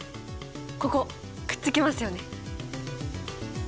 ここくっつきますよね。